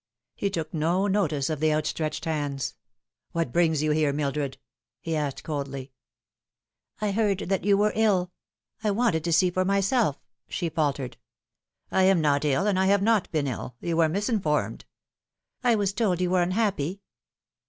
He took no notice of the outstretched hands. "What brings you here, Mildred ?" he asked coldly. How should I Greet Thee f 311 " I heard that you were ill ; I wanted to see for myself," she faltered. " I am not ill, and I have not been ill. You were mis informed." " I was told you were unhappy."